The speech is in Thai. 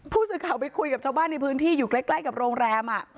ผู้สื่อข่าวไปคุยกับชาวบ้านในพื้นที่อยู่ใกล้กับโรงแรม